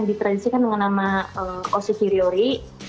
jadi tradisinya kan dengan nama osechi ryori